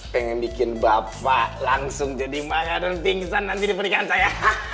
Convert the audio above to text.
pengen bikin bapak langsung jadi maha dan pingsan nanti di pernikahan saya